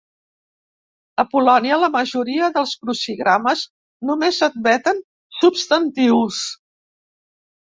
A Polònia la majoria dels crucigrames només admeten substantius.